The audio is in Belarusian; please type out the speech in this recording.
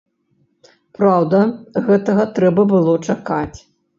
Праўда, гэтага трэба было чакаць.